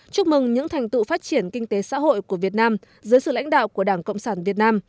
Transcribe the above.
chúc mừng những thành tựu phát triển kinh tế xã hội của việt nam dưới sự lãnh đạo của đảng cộng sản việt nam